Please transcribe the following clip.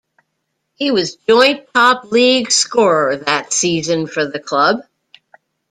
He was joint top League scorer that season for the club.